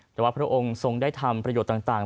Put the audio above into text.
แต่ว่าพระองค์ทรงได้ทำประโยชน์ต่าง